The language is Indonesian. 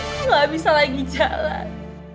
aku gak bisa lagi jalan